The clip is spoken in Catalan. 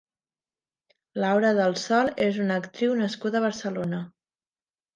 Laura del Sol és una actriu nascuda a Barcelona.